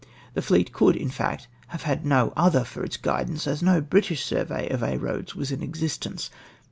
The fleet could, in flict, have had no other for its guidance, as no British survey of Aix Roads was in existence.